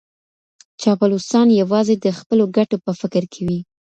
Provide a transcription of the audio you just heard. چاپلوسان یوازې د خپلو ګټو په فکر کي وي.